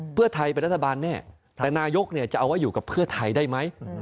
เพื่อไทยเป็นรัฐบาลแน่แต่นายกจะเอาไว้อยู่กับเพื่อไทยได้ไหม